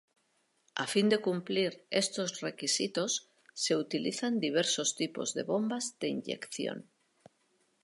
A fin de cumplir estos requisitos se utilizan diversos tipos de bombas de inyección.